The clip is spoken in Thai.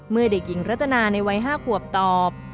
เมื่อเด็กหญิงรัตนาในวัย๕ขวบตอบ